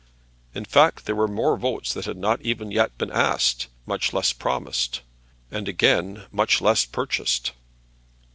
In fact there were votes that had not even yet been asked, much less promised, and again, much less purchased.